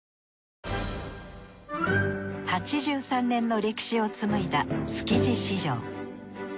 ８３年の歴史をつむいだ築地市場。